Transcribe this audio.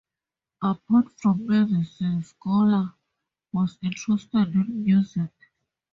Apart from medicine Schuller was interested in music.